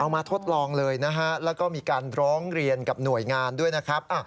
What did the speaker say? มาทดลองเลยนะฮะแล้วก็มีการร้องเรียนกับหน่วยงานด้วยนะครับ